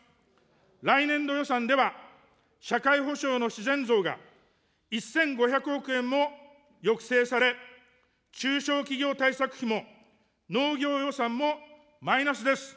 来年度予算では、社会保障の自然増が１５００億円も抑制され、中小企業対策費も農業予算もマイナスです。